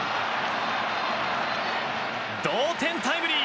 同点タイムリー！